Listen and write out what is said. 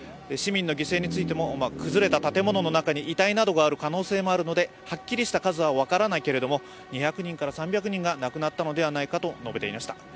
市民の犠牲についても崩れた建物の中に遺体などがある可能性もあるので、はっきりした数は分からないけれども２００人から３００人が亡くなったのではないかと述べていました。